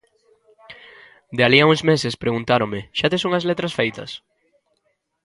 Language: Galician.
De alí a uns meses preguntáronme: Xa tes unhas letras feitas?